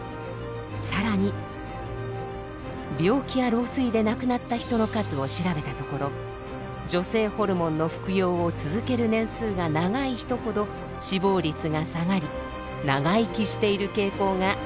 更に病気や老衰で亡くなった人の数を調べたところ女性ホルモンの服用を続ける年数が長い人ほど死亡率が下がり長生きしている傾向が明らかになったのです。